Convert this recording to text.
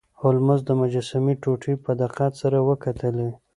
هولمز د مجسمې ټوټې په دقت سره وکتلې.